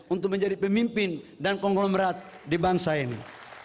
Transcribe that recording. untuk menjadi pemimpin dan konglomerat di bangsa ini